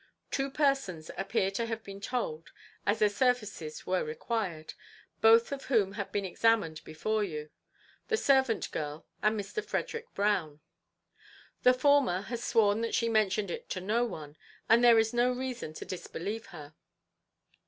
"Two persons appear to have been told, as their services were required, both of whom have been examined before you the servant girl and Mr. Frederick Brown. The former has sworn that she mentioned it to no one, and there is no reason to disbelieve her.